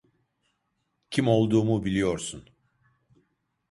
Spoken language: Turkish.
Kim olduğumu biliyorsun.